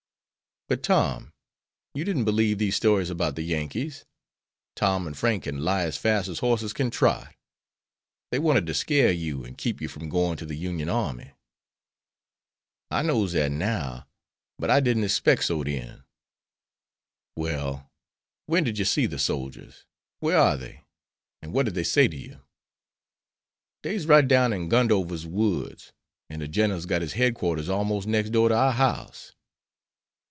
"But, Tom, you didn't believe these stories about the Yankees. Tom and Frank can lie as fast as horses can trot. They wanted to scare you, and keep you from going to the Union army." "I knows dat now, but I didn't 'spect so den." "Well, when did you see the soldiers? Where are they? And what did they say to you?" "Dey's right down in Gundover's woods. An' de Gineral's got his headquarters almos' next door to our house."